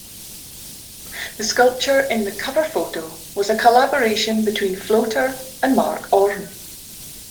The sculpture in the cover photo was a collaboration between Floater and Mark Orme.